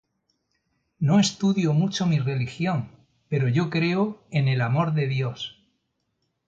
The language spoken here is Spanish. No estudio mucho mi religión, pero yo creo en el amor de Dios.